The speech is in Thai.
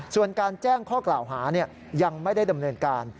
ส่วนการแจ้งข้อกล่าวหายังไม่ได้ดำเนินการ